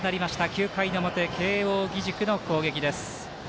９回の表慶応義塾の攻撃です。